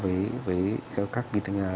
so với các vitamin